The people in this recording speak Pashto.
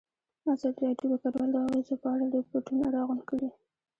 ازادي راډیو د کډوال د اغېزو په اړه ریپوټونه راغونډ کړي.